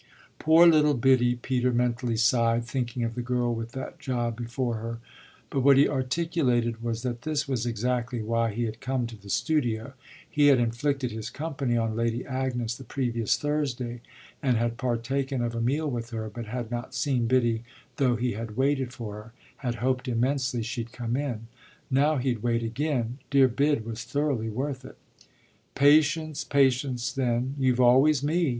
"Poor little Biddy!" Peter mentally sighed, thinking of the girl with that job before her; but what he articulated was that this was exactly why he had come to the studio. He had inflicted his company on Lady Agnes the previous Thursday and had partaken of a meal with her, but had not seen Biddy though he had waited for her, had hoped immensely she'd come in. Now he'd wait again dear Bid was thoroughly worth it. "Patience, patience then you've always me!"